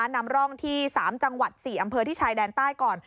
นำร่องที่๓จังหวัด๔อำเภอที่ชายแดนใต้ก่อน